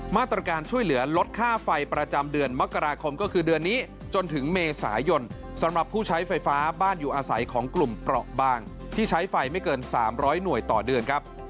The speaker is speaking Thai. มาตรการช่วยเหลือลดค่าไฟประจำเดือนมกราคมก็คือเดือนนี้จนถึงเมษายนสำหรับผู้ใช้ไฟฟ้าบ้านอยู่อาศัยของกลุ่มเปราะบางที่ใช้ไฟไม่เกิน๓๐๐หน่วยต่อเดือนครับ